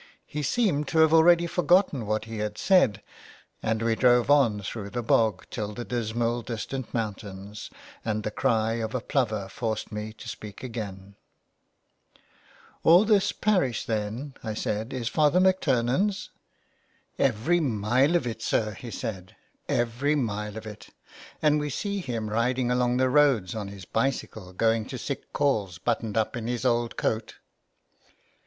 He seemed to have already forgotten what he had said, and we drove on through the bog till the dismal distant mountains, and the cry of a plover forced me to speak again. 223 A PLAY HOUSE IN THE WASTE. *' All this parish then," I said, " is Father McTurnan's." '' Every mile of it, sir," he said, " every mile of it, and we see him riding along the roads on his bicycle going to sick calls buttoned up in his old coat."